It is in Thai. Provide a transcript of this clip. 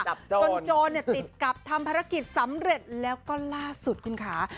จนโจรติดกับทำภารกิจสำเร็จแล้วก็ล่าสุดคุณค่ะ